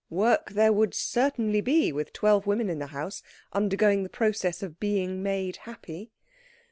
Work there would certainly be, with twelve women in the house undergoing the process of being made happy.